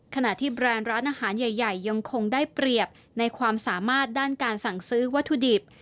ขณะที่แบรนด์ร้านอาหารใหญ่ยังคงได้เปรียบในความสามารถด้านการสั่งซื้อวัตถุดิบ